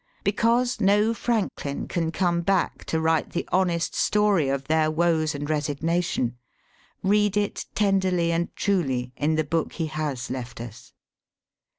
Because no Franklin can come back, to write the honest story of their woes and resignation, read it tenderly and truly in the book he has left us.